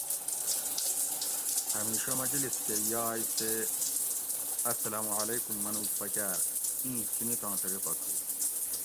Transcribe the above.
ھمیشہ مجلس کہ یائے تے اسلام علیکم منوگ پکاۤر اِیں سُنتاں طریقہ تھو